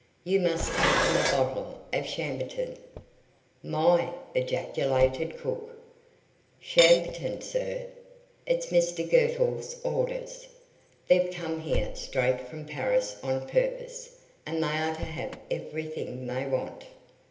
You must take them a bottle of Chambertin." "My!" ejaculated cook. "Chambertin, sir?" "It's Mr Girtle's orders. They've come here straight from Paris on purpose, and they are to have everything they want."